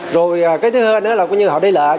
rồi cái thứ hơn nữa là họ đi lợi